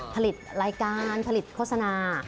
ผลิตรายการผลิตโฆษณา